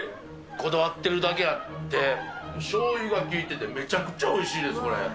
こだわってるだけあって、しょうゆが効いててめちゃくちゃおいしいです、これ。